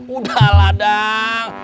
udah lah dang